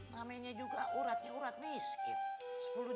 namanya juga uratnya urat miskin